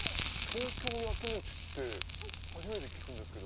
東京やきもちって初めて聞くんですけど。